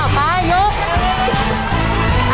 เปลี่ยน